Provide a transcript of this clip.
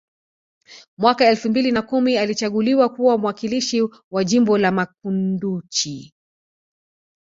Mwaka elfu mbili na kumi alichaguliwa kuwa mwakilishi wa jimbo la Makunduchi